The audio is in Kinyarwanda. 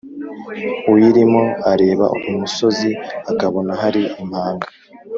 uyirimo areba imusozi akabona hari impanga